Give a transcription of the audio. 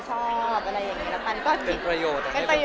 เป็นประโยชน์